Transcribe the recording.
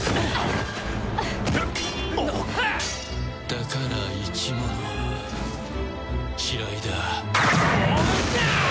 だから生き物は嫌いだ。